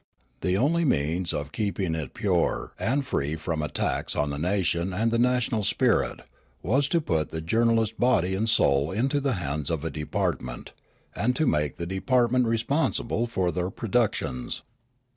The only means of keeping it pure and free from attacks on the nation and the national spirit was to put the jour nalists body and soul into the hands of a department, and to make the department responsible for their pro ductions.